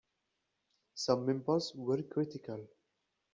Some members were critical.